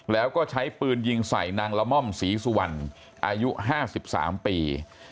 แล้วก็ใช้ปืนยิงใส่นางละม่อมศรีสุวรรณอายุ๕๓ปี